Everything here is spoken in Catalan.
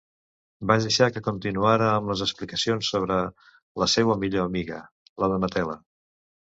Vaig deixar que continuara amb les explicacions sobre la seua millor amiga, la Donatella...